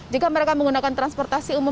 jika mereka menggunakan transportasi umum